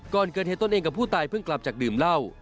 ก่อนเกิดเหตุตนเองกับผู้ตายเพิ่งกลับจากดื่มเหล้า